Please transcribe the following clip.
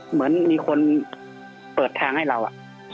เหมือนมีคนเปิดทางให้เราอะ